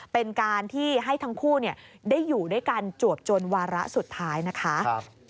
เป็นการที่ให้ทั้งคู่ได้อยู่ด้วยกันจวบจนวาระสุดท้ายนะคะ